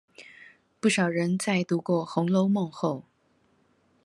不少人在讀過紅樓夢後